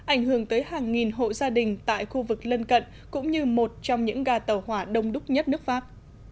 ảnh hưởng tới hàng nghìn hộ gia đình tại khu vực lân cận cũng như một trong những gà tàu hỏa đông đúc nhất nước pháp